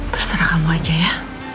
terserah kamu aja ya